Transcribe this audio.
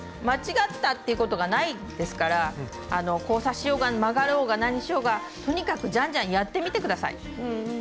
間違ったっていうことがないですから交差しようが曲がろうが何しようがとにかくじゃんじゃんやってみてください。